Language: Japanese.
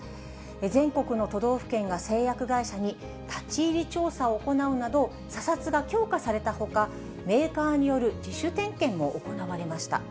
全国の都道府県が製薬会社に立ち入り調査を行うなど、査察が強化されたほか、メーカーによる自主点検も行われました。